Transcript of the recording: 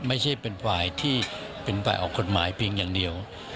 ไม่ใช่เป็นฝ่ายที่เป็นฝ่ายออกกฎหมายเพียงอย่างเดียว